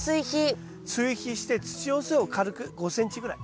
追肥して土寄せを軽く５ｃｍぐらい。